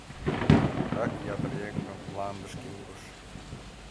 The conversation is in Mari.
Адак ятыр еҥым мландышке урыш.